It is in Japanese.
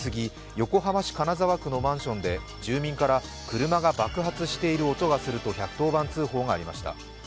横浜市金沢区のマンションで住民から車が爆発している音がすると１１０番通報がありました。